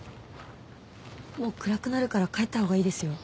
もう暗くなるから帰ったほうがいいですよ。